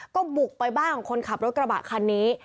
ก็บุกไปบ้านของคนขับรถกระบะคันนี้